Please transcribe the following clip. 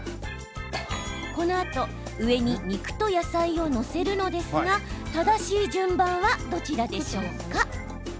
このあと上に肉と野菜を載せるのですが正しい順番はどちらでしょうか？